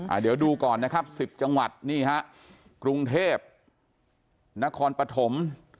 เดี๋ยวดูก่อนนะครับสิบจังหวัดนี่ฮะกรุงเทพนครปฐม